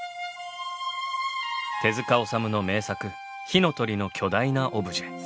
手治虫の名作「火の鳥」の巨大なオブジェ。